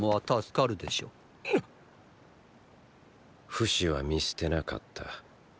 フシは見捨てなかった。